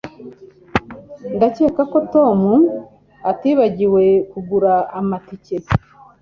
Ndakeka ko Tom atibagiwe kugura amatike